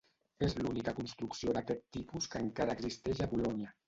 És l'única construcció d'aquest tipus que encara existeix a Polònia.